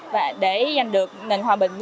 và để giành được nền hòa bình